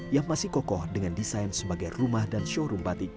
yang masih kokoh dengan desain sebagai rumah dan showroom batik